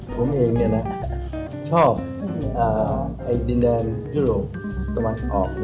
ผมเองชอบดินแดนยุโรปตะวันออก